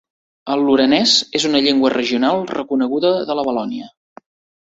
El lorenès és una llengua regional reconeguda de la Valònia.